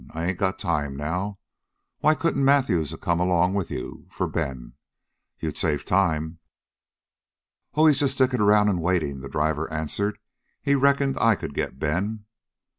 I ain't got time now. Why couldn't Matthews a come along with you for Ben? You'd save time." "Oh, he's just stickin' around waitin'," the driver answered. "He reckoned I could get Ben."